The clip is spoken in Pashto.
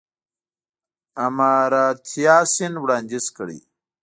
آمارتیا سېن وړانديز کړی.